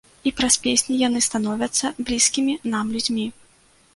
І праз песні яны становяцца блізкімі нам людзьмі.